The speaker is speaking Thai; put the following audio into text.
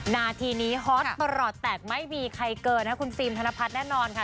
นาทีนี้ฮอตประหลอดแตกไม่มีใครเกินนะคุณฟิล์มธนพัฒน์แน่นอนค่ะ